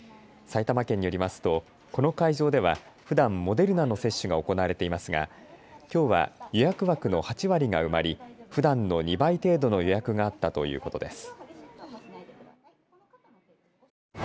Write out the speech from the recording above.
埼玉県によりますとこの会場ではふだんモデルナの接種が行われていますが、きょうは予約枠の８割が埋まりふだんの２倍程度の予約があったということです。